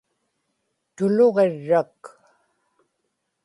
tuluġirrak